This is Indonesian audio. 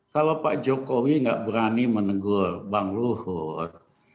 kalau pak jokowi nggak berani menegur bang luhut